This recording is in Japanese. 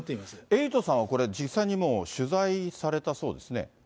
エイトさんはこれ、実際にもう取材されたそうですね。